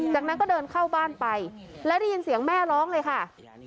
จากนั้นก็เดินเข้าบ้านไปแล้วได้ยินเสียงแม่ร้องเลยค่ะ